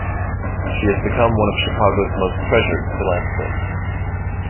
She has become one of Chicago's most treasured philanthropists.